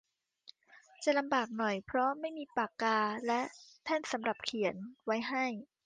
จะลำบากหน่อยเพราะไม่มีปากกาและแท่นสำหรับเขียนไว้ให้